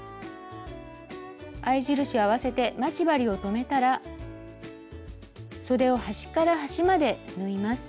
合い印を合わせて待ち針を留めたらそでを端から端まで縫います。